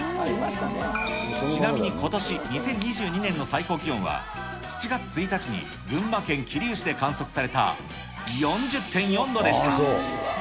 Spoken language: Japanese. ちなみにことし２０２２年の最高気温は７月１日に群馬県桐生市で観測された４０．４度でした。